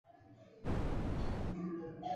卡拉季城内居民以波斯人为主。